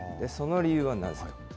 その理由はなぜか。